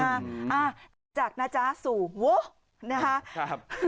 อ้าวจากนะจ๊ะสู่โว๊ะนะครับ